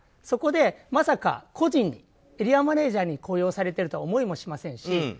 そこでまさか個人、エリアマネジャーに雇用されてるとは思いもしませんし。